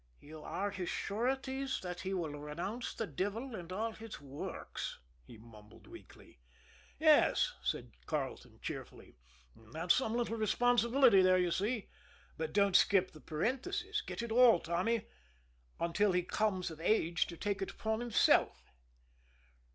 "'You are his sureties that he will renounce the devil and all his works,'" he mumbled weakly. "Yes," said Carleton cheerfully. "There's some little responsibility there, you see. But don't skip the parenthesis; get it all, Tommy 'until he come of age to take it upon himself.'"